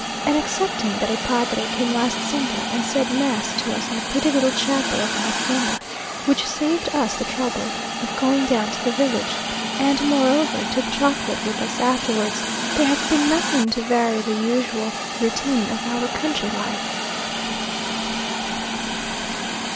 And excepting that a padre came last Sunday and said mass to us in the pretty little chapel of the hacienda, which saved us the trouble of going down to the village, and, moreover, took chocolate with us afterwards, there has been nothing to vary the usual routine of our country life.